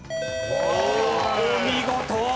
お見事！